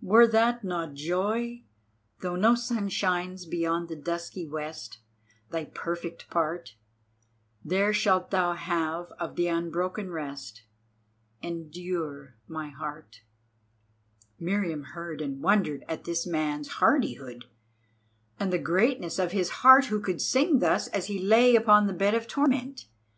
Were that not joy? Though no sun shines beyond the dusky west, Thy perfect part There shalt thou have of the unbroken rest; Endure, my heart!" Meriamun heard and wondered at this man's hardihood, and the greatness of his heart who could sing thus as he lay upon the bed of torment.